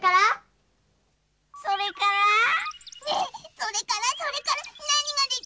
ねっそれからそれからなにができるじゃ？